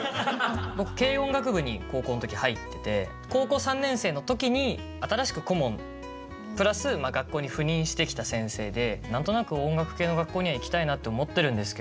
僕軽音楽部に高校の時入ってて高校３年生の時に新しく顧問プラス学校に赴任してきた先生で「何となく音楽系の学校には行きたいなって思ってるんですけど」